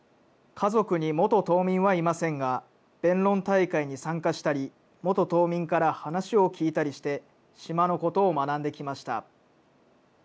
家族に元島民はいませんが、弁論大会に参加したり、元島民から話を聞いたりして、島のことを学んできました。